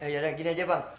yaudah gini aja bang